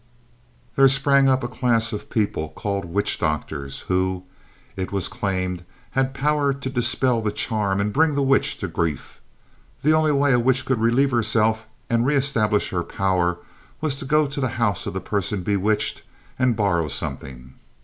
There sprang up a class of people called "witch doctors" who, it was claimed, had power to dispel the charm and bring the witch to grief. The only way a witch could relieve herself and reestablish her power was to go to the house of the person bewitched and borrow something.